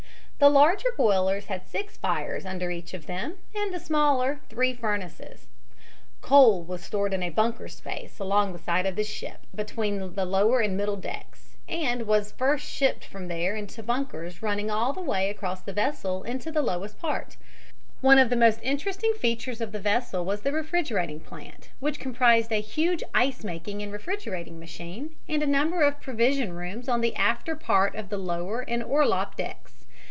The larger boilers had six fires under each of them and the smaller three furnaces. Coal was stored in bunker space along the side of the ship between the lower and middle decks, and was first shipped from there into bunkers running all the way across the vessel in the lowest part. From there the stokers handed it into the furnaces. One of the most interesting features of the vessel was the refrigerating plant, which comprised a huge ice making and refrigerating machine and a number of provision rooms on the after part of the lower and orlop decks.